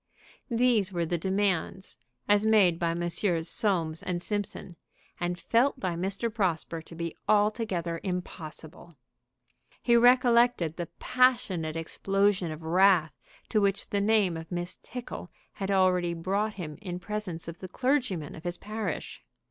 These were the demands as made by Messrs. Soames & Simpson, and felt by Mr. Prosper to be altogether impossible. He recollected the passionate explosion of wrath to which the name of Miss Tickle had already brought him in presence of the clergyman of his parish.